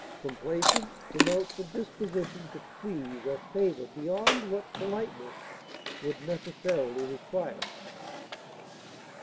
Complaisant denotes a disposition to please or favor beyond what politeness would necessarily require.